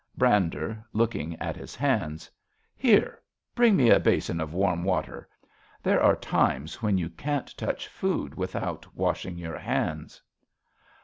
Brander {looking at his hands). Here ! Bring me a basin of warm water. There are times when you can't touch food without washing your hands.